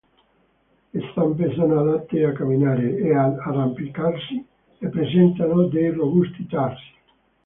Le zampe sono adatte a camminare e ad arrampicarsi e presentano dei robusti tarsi.